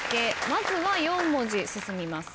まずは４文字進みます。